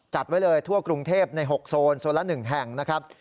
จัดไว้เลยทั่วกรุงเทพใน๖โซนโซนละ๑แห่งนะครับ